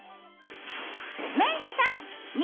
メンディーさんみ